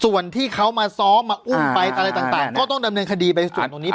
ส่วนที่เขามาซ้อมมาอุ้มไปอะไรต่างก็ต้องดำเนินคดีไปส่วนตรงนี้